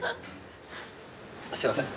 すいません。